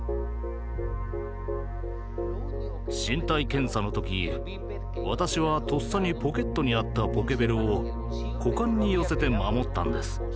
身体検査の時私はとっさにポケットにあったポケベルを股間に寄せて守ったんです。